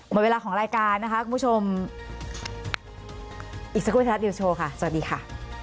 หมดเวลาของรายการนะคะคุณผู้ชมอีกสักครู่ไทยรัฐนิวสโชว์ค่ะสวัสดีค่ะ